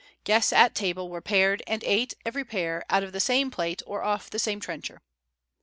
"Guests at table were paired, and ate, every pair, out of the same plate or off the same trencher."